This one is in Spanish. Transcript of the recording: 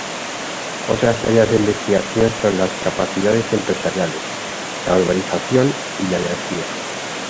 Otras áreas de investigación son las capacidades empresariales, la urbanización y la energía.